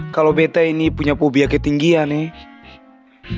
kalo beta ini punya phobia ketinggian ee